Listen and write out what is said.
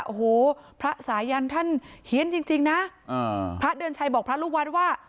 โอ้โหพระสายันท่านเฮียนจริงจริงนะพระเดือนชัยบอกพระลูกวัดว่า